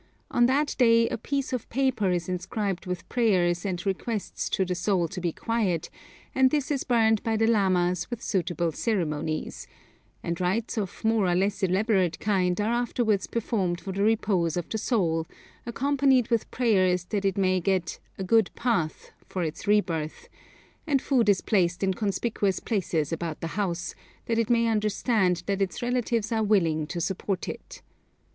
On that day a piece of paper is inscribed with prayers and requests to the soul to be quiet, and this is burned by the lamas with suitable ceremonies; and rites of a more or less elaborate kind are afterwards performed for the repose of the soul, accompanied with prayers that it may get 'a good path' for its re birth, and food is placed in conspicuous places about the house, that it may understand that its relatives are willing to support it.